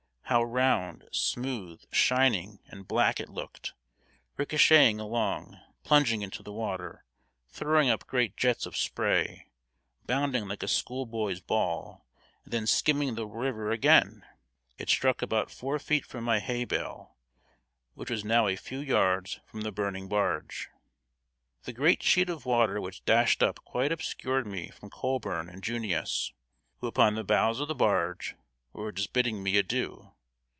How round, smooth, shining, and black it looked, ricochetting along, plunging into the water, throwing up great jets of spray, bounding like a schoolboy's ball, and then skimming the river again! It struck about four feet from my hay bale, which was now a few yards from the burning barge. The great sheet of water which dashed up quite obscured me from Colburn and "Junius," who, upon the bows of the barge, were just bidding me adieu.